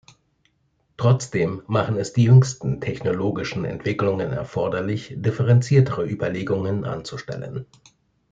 Trotzdem machen es die jüngsten technologischen Entwicklungen erforderlich, differenziertere Überlegungen anzustellen.